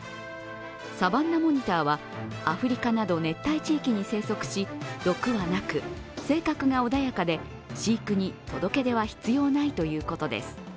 サバンナモニターは、アフリカなど熱帯地域に生息し毒はなく、性格が穏やかで、飼育に届け出は必要ないということです。